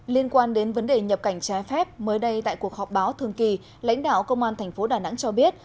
liên quan đến vấn đề nhập cảnh trái phép mới đây tại cuộc họp báo thường kỳ lãnh đạo công an tp đà nẵng cho biết